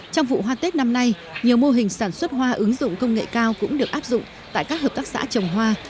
trong vụ hoa tết năm nay nhiều mô hình sản xuất hoa ứng dụng công nghệ cao cũng được áp dụng tại các hợp tác xã trồng hoa